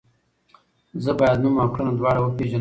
زه باید نوم او کړنه دواړه وپیژنم.